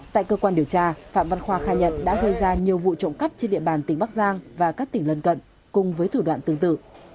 tại cơ quan điều tra phạm văn khoa khai nhận đã gây ra nhiều vụ trộm cắp trên địa bàn tỉnh bắc giang và các tỉnh lân cận cùng với thủ đoạn tương tự